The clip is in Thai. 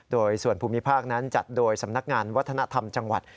โดยส่วนภูมิภาคนั้นจัดโดยสำนักงานวัฒนธรรมจังหวัด